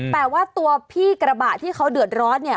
แต่ว่าตัวพี่กระบะที่เขาเดือดร้อนเนี่ย